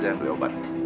jangan ditemukan obat